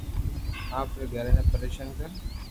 آپري گرو ني پرݾن ڪر